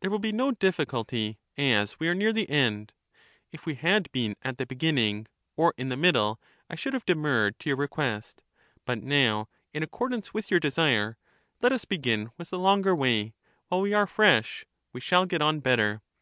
There will be no difficulty, as we are near the end ; if we had been at the beginning, or in the middle, I should have demurred to your request; but now, in accordance Let us "with jronrtJesTre, let us begin with the longer way ; while we |^° ^^J| are fresh, we shall get on better.